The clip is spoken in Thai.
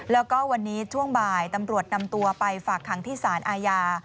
แล้วก็วันนี้ช่วงบ่ายตำรวจนำตัวไปฝากขังที่สารอาญา